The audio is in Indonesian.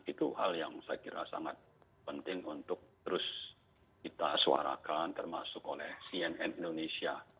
itu hal yang saya kira sangat penting untuk terus kita suarakan termasuk oleh cnn indonesia